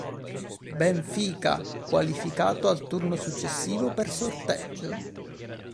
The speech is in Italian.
Benfica qualificato al turno successivo per sorteggio